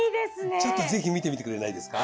ちょっとぜひ見てみてくれないですか。